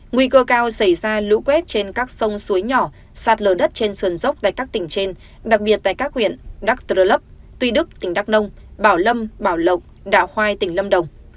nguy cơ cao xảy ra lũ quét trên các sông suối nhỏ sạt lở đất trên sườn dốc tại các tỉnh trên đặc biệt tại các huyện đắk rơ lấp tuy đức tỉnh đắk nông bảo lâm bảo lộc đạo khoai tỉnh lâm đồng